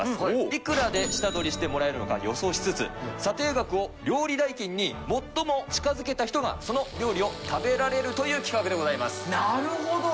いくらで下取りしてもらえるのか予想しつつ、査定額を料理代金に最も近づけた人がその料理を食べられるというなるほど。